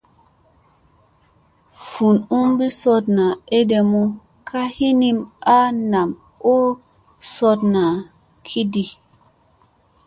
Vun umɓi sooɗna eɗemu ka hinim a nam oo soɗna kiɗi.